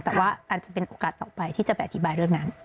แต่ว่าอันจะเป็นโอกาสต่อไปที่จะไปอธิบายเรื่องนั้น